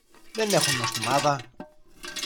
δεν έχουν νοστιμάδα.